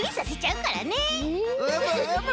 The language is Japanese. うむうむ。